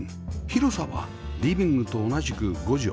広さはリビングと同じく５畳